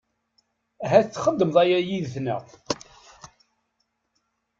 Ahat txedmeḍ aya yid-nteɣ.